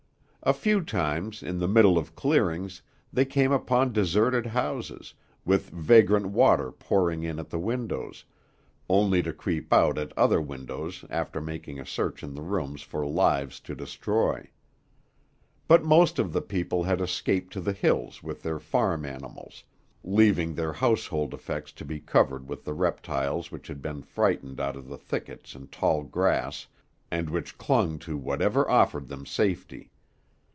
A few times, in the middle of clearings, they came upon deserted houses, with vagrant water pouring in at the windows, only to creep out at other windows after making a search in the rooms for lives to destroy. But most of the people had escaped to the hills with their farm animals, leaving their household effects to be covered with the reptiles which had been frightened out of the thickets and tall grass, and which clung to whatever offered them safety.